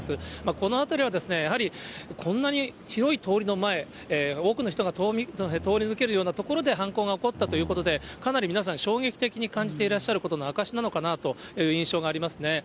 この辺りはやはり、こんなに広い通りの前、多くの人が通り抜けるような所で犯行が起こったということで、かなり皆さん、衝撃的に感じていらっしゃることの証しなのかなという印象がありますね。